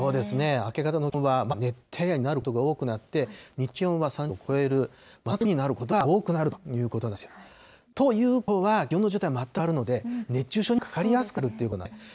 明け方の気温は熱帯夜になることが多くなって、日中の気温は３０度を超える真夏日になることが多くなるということなんですよ。ということは、気温の状態が全く変わるので、熱中症にもかかりやすくなるということなんですね。